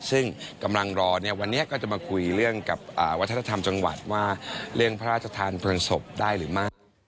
ซึ่งกำลังรอเนี่ยวันนี้ก็จะมาคุยเรื่องกับวัฒนธรรมจังหวัดว่าเรื่องพระราชทานเพลิงศพได้หรือไม่